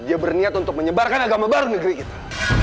dia berniat untuk menyebarkan agama baru negeri kita